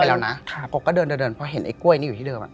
เค้าก็เดินเดินเค้าเห็นกล้วยอยู่ที่เดิน